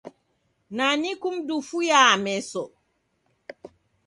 Nani kumdufuyaa meso?